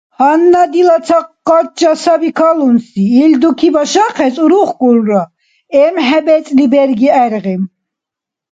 Гьанна дила ца къача саби калунси. Ил дуки башахъес урухкӀулра, эмхӀе бецӀли берги гӀергъи.